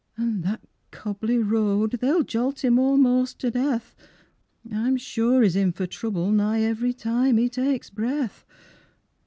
an' that cobbly road, They'll jolt him a'most to death, I'm sure he's in for some trouble Nigh every time he takes breath.